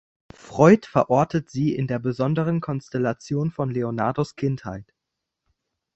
Freud verortet sie in der besonderen Konstellation von Leonardos Kindheit.